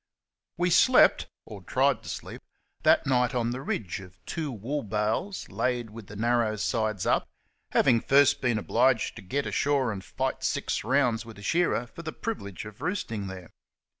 We slept, or tried to sleep, that night on the ridge of two wool bales laid with the narrow sides up, having first been obliged to get ashore and fight six rounds with a shearer for the privilege of roosting there.